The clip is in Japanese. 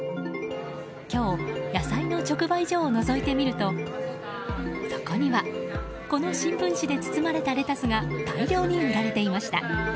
今日、野菜の直売所をのぞいてみるとそこにはこの新聞紙で包まれたレタスが大量に売られていました。